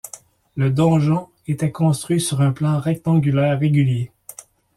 Le donjon était construit sur un plan rectangulaire régulier.